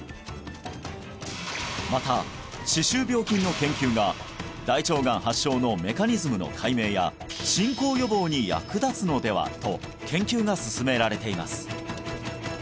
また歯周病菌の研究が大腸がん発症のメカニズムの解明や進行予防に役立つのではと研究が進められています